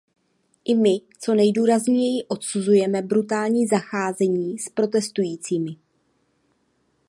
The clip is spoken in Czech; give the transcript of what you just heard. I my co nejdůrazněji odsuzujeme brutální zacházení s protestujícími.